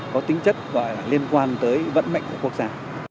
có tính chất gọi là liên quan tới vận mệnh của quốc gia